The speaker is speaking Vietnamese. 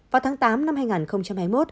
vào tháng tám năm hai nghìn hai mươi một